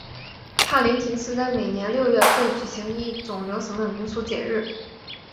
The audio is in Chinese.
帕林廷斯的每年六月会举行一种流行的民俗节日。